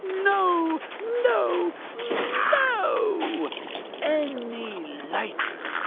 No! no! NO! any light!